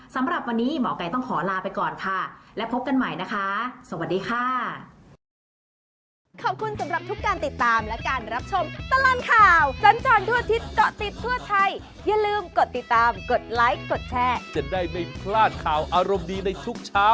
สำหรับวันนี้หมอกัยต้องขอลาไปก่อนค่ะและพบกันใหม่นะคะสวัสดีค่ะ